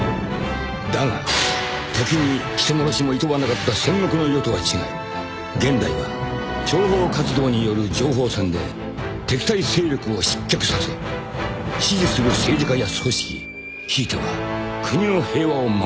［だが時に人殺しもいとわなかった戦国の世とは違い現代は諜報活動による情報戦で敵対勢力を失脚させ支持する政治家や組織ひいては国の平和を守っている］